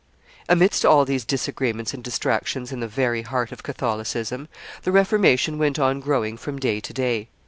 Amidst all these disagreements and distractions in the very heart of Catholicism, the Reformation went on growing from day to day.